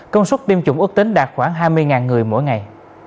công suất tiêm chủng ước tính đạt khoảng hai mươi người mỗi ngày